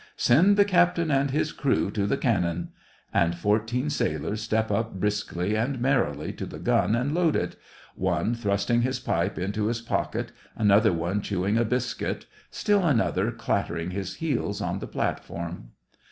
" Send the captain and his crew to the cannon ;" and fourteen sailors step up briskly and merrily to the gun and load it — one thrusting his pipe into his pocket, another one chewing a biscuit, still another clattering his heels on the platform.